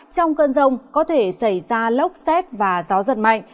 trong cơn rông có thể xảy ra lốc xét và gió giật mạnh